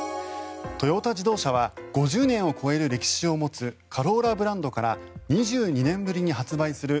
トヨタ自動車は５０年を超える歴史を持つカローラブランドから２２年ぶりに発売する